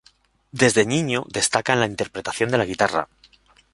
Desde niño destaca en la interpretación de la guitarra.